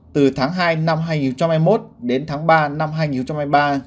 từ tháng hai năm hai nghìn hai mươi một đến tháng ba năm hai nghìn hai mươi ba